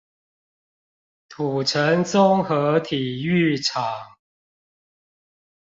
土城綜合體育場